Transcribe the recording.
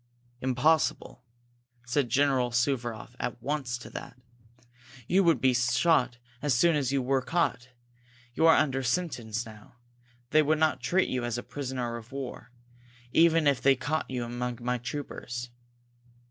"Impossible!" said General Suvaroff at once to that. "You would be shot as soon as you were caught you are under sentence now. They would not treat you as a prisoner of war, even if they caught you among my troopers."